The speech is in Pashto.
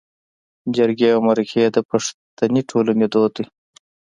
جرګې او مرکې د پښتني ټولنې دود دی